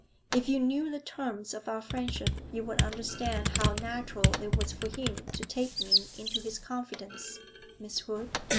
If you knew the terms of our friendship you would understand how natural it was for him to take me into his confidence, Miss Hood.